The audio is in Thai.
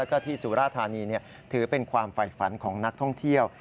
แล้วก็ที่สุราธานีถือเป็นความฝ่ายฝันของนักท่องเที่ยว